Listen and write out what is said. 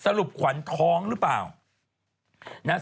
ขวัญท้องหรือเปล่า